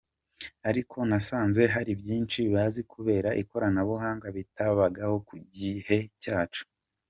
Ariko nasanze hari byinshi bazi kubera ikoranabuhanga bitabagaho ku gihe cyacu.